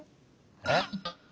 えっ。